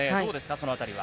その辺りは。